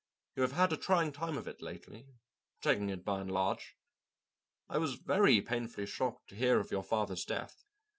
"You have had a trying time of it lately, taking it by and large. I was very painfully shocked to hear of your father's death.